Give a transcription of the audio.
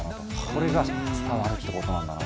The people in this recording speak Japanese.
これが伝わるって事なんだなと。